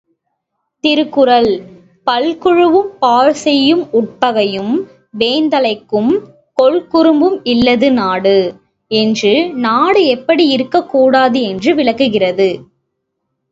திருக்குறள் பல்குழுவும் பாழ்செய்யும் உட்பகையும் வேந்தலைக்கும் கொல்குறும்பும் இல்லது நாடு என்று நாடு எப்படி இருக்கக்கூடாது என்று விளக்குகிறது!